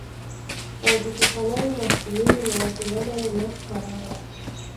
او د پخوانیو محصلینو یوه ټولنه یې منځته راوړه.